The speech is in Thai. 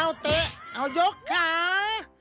เอาเตะเอายกขา